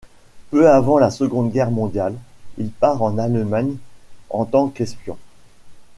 Peu avant la Seconde Guerre mondiale, il part en Allemagne en tant qu'espion.